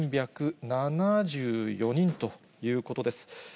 ５３７４人ということです。